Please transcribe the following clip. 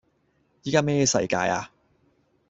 依家咩世界呀?